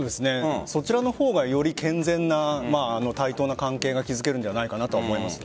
そちらの方がより健全な対等な関係が築けるんじゃないかと思います。